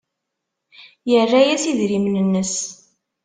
Yerra-as idrimen-nnes.